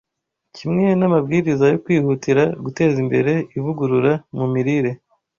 kimwe n’amabwiriza yo kwihutira guteza imbere ivugurura mu mirire.